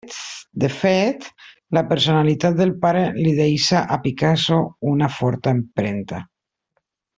De fet, la personalitat del pare li deixa a Picasso una forta empremta.